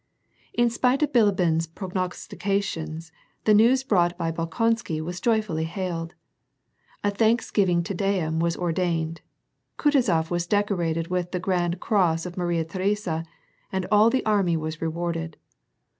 In spite of Bilibin's prognostications, the news brought by Bolkonsky was joyfully hailed. A thanksgiving Te Deum was ordained, Kutuzof was decorated with the grand cross of Maria Theresa, and all the army was rewarded.